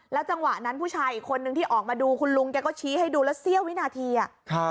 จังหวะนั้นผู้ชายอีกคนนึงที่ออกมาดูคุณลุงแกก็ชี้ให้ดูแล้วเสี้ยววินาทีอ่ะ